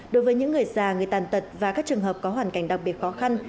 đối với những người già người tàn tật và các trường hợp có hoàn cảnh đặc biệt khó khăn